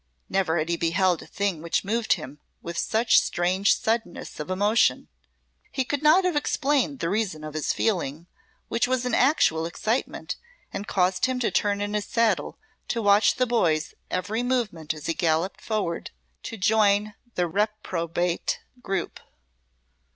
Never had he beheld a thing which moved him with such strange suddenness of emotion. He could not have explained the reason of his feeling, which was an actual excitement, and caused him to turn in his saddle to watch the boy's every movement as he galloped forward to join the reprobate group.